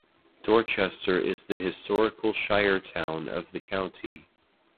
Dorchester is the historical shire town of the county.